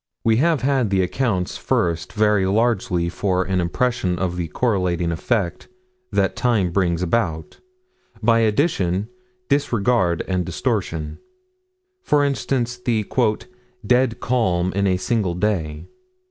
We have had the later accounts first very largely for an impression of the correlating effect that time brings about, by addition, disregard and distortion. For instance, the "dead calm in a single day."